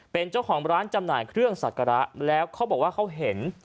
เป็นเจ้าของร้านจำหน่ายเครื่องสักการะแล้วเขาบอกว่าเขาเห็น